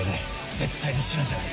絶対に死なせない。